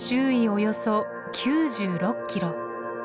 およそ９６キロ。